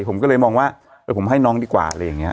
ผมก็เลยมองว่าผมให้น้องดีกว่าอะไรอย่างนี้